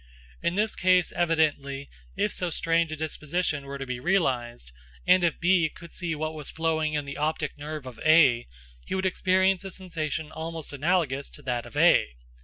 In this case, evidently, if so strange a disposition were to be realised, and if B could see what was flowing in the optic nerve of A, he would experience a sensation almost analogous to that of A.